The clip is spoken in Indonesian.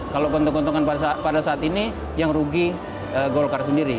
kalau keuntungan pada saat ini yang rugi golkar sendiri